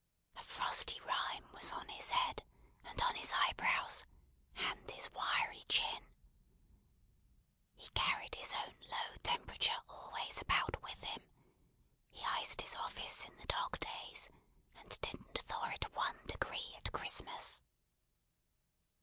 A frosty rime was on his head, and on his eyebrows, and his wiry chin. He carried his own low temperature always about with him; he iced his office in the dog days; and didn't thaw it one degree at Christmas.